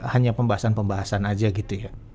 hanya pembahasan pembahasan aja gitu ya